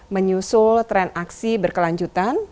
menyusul tren aksi berkelanjutan